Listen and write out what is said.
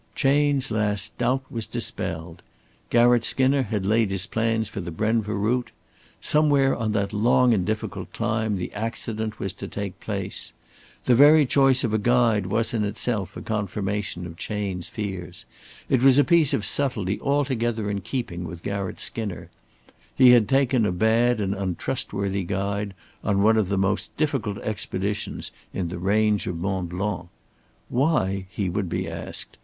Chayne's last doubt was dispelled. Garratt Skinner had laid his plans for the Brenva route. Somewhere on that long and difficult climb the accident was to take place. The very choice of a guide was in itself a confirmation of Chayne's fears. It was a piece of subtlety altogether in keeping with Garratt Skinner. He had taken a bad and untrustworthy guide on one of the most difficult expeditions in the range of Mont Blanc. Why, he would be asked?